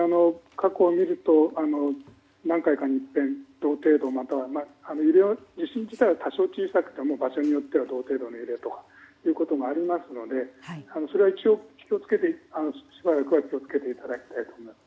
過去を見ると何回かに一遍、同程度ぐらいの地震程度は多少小さくても場所によっては同程度の揺れということもありますのでしばらくは気を付けていただきたいと思います。